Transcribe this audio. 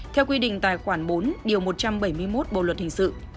theo quy định tài khoản bốn điều một trăm bảy mươi một bộ luật hình sự